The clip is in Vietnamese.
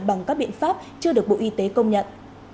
bằng các biện pháp chưa được bộ y tế công nhận